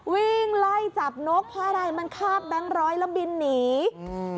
วิ่งไล่จับนกพออะไรมันข้าบดันร้อยแล้วบินหนีอืม